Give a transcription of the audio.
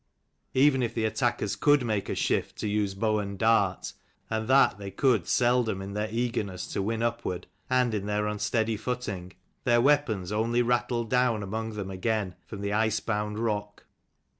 Even if the attackers could make a shift to use bow and dart, and that they could seldom in their eagerness to win upward, and in their un steady footing, their weapons only rattled down among them again from the icebound rock.